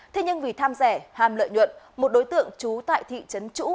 thế nhưng vì tham rẻ hàm lợi nhuận một đối tượng trú tại thị trấn chũ